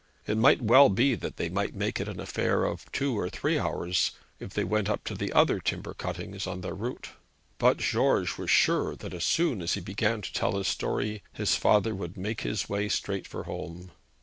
It might well be that they might make it an affair of two or three hours, if they went up to other timber cuttings on their route; but George was sure that as soon as he began to tell his story his father would make his way straight for home.